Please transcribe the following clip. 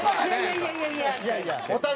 いやいや。